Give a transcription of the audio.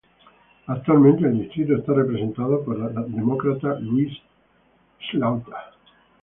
Actualmente el distrito está representado por la Demócrata Louise Slaughter.